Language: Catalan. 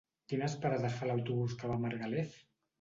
Quines parades fa l'autobús que va a Margalef?